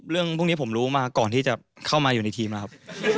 เรื่องพวกนี้ผมรู้มาก่อนที่จะเข้ามาอยู่ในทีมนะครับ